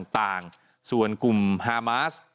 ต่างส่วนกลุ่มฮามาส